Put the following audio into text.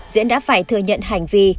diễn đã phải thừa nhận hành vi